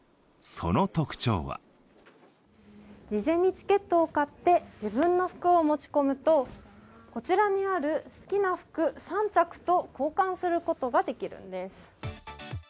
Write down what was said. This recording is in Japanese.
その特徴は事前にチケットを買って自分の服を持ち込むとこちらにある好きな服３着と交換することができるんです。